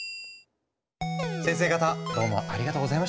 先生方どうもありがとうございました。